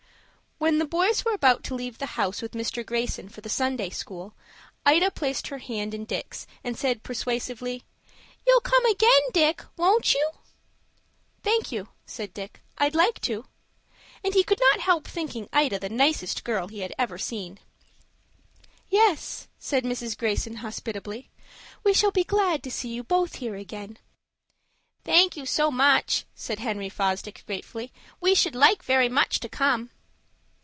When the boys were about to leave the house with Mr. Greyson for the Sunday school, Ida placed her hand in Dick's, and said persuasively, "You'll come again, Dick, won't you?" "Thank you," said Dick, "I'd like to," and he could not help thinking Ida the nicest girl he had ever seen. "Yes," said Mrs. Greyson, hospitably, "we shall be glad to see you both here again." "Thank you very much," said Henry Fosdick, gratefully. "We shall like very much to come."